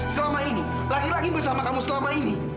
selama ini laki laki bersama kamu selama ini